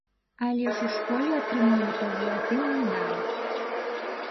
Але ж у школе атрымалі па залатым медалі.